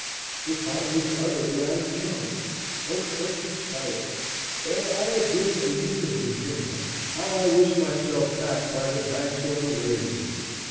The time was utterly out of joint. O cursed spite! Ere I had been a year in Virginia, how I wished myself back by the banks of the Waveney!